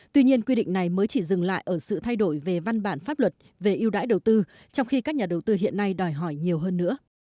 tuy nhiên quy định này mới chỉ dừng lại ở sự thay đổi về văn bản pháp luật về ưu đãi đầu tư trong khi các nhà đầu tư hiện nay đòi hỏi nhiều hơn nữa